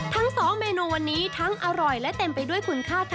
ทั้งสองเมนูวันนี้ทั้งอร่อยและเต็มไปด้วยคุณค่าค่ะ